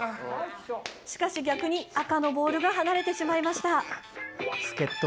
しかし、逆に赤のボールが離れてしまいました。